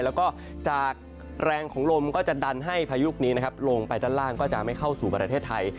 แล้วก็จากแรงของลมก็จะดันให้พายุลูกนี้นะครับลงไปด้านล่างก็จะไม่เข้าสู่ประเทศไทย